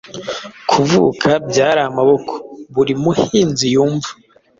kuvuka byari amaboko, Buri Muhinzi Yumva.